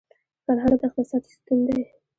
کرهڼه د اقتصاد ستون دی